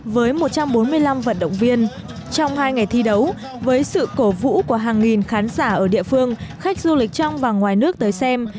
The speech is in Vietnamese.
với một trăm bốn mươi năm vận động viên trong hai ngày thi đấu với sự cổ vũ của hàng nghìn khán giả ở địa phương khách du lịch trong và ngoài nước tới xem